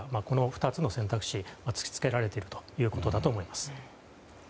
この２つの選択肢が突き付けられているということだと思います。